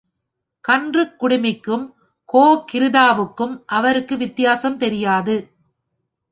கன்றுக் குடுமிக்கும் கோ கிருதாவுக்கும் அவருக்கு வித்தியாசம் தெரியாது.